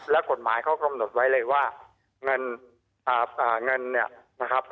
แล้วกฎหมายเขากำหนดไว้เลยว่าเงินเนี่ยนะครับ